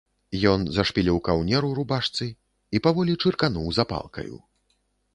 Ён зашпіліў каўнер у рубашцы і паволі чыркануў запалкаю.